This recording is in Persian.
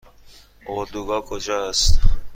اردوگاه کجا است؟